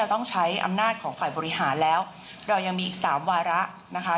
ต้องใช้อำนาจของฝ่ายบริหารแล้วเรายังมีอีกสามวาระนะคะ